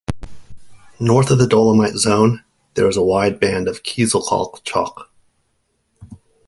North of the dolomite zone, there is a wide band of Kieselkalk chalk.